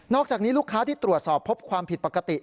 อกจากนี้ลูกค้าที่ตรวจสอบพบความผิดปกติ